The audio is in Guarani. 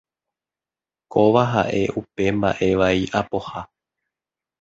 Kóva ha'e upe mba'e vai apoha.